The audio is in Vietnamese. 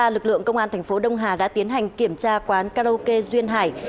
lực lượng công an thành phố đông hà đã tiến hành kiểm tra quán karaoke duyên hải